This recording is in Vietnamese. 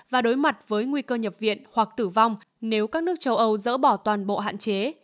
và đối mặt với nguy cơ nhập viện hoặc tử vong nếu các nước châu âu dỡ bỏ toàn bộ hạn chế